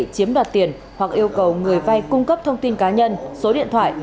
chiếm đoạt tiền hoặc yêu cầu người vay cung cấp thông tin cá nhân số điện thoại